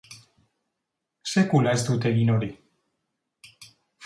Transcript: Sekula ez dut egin hori.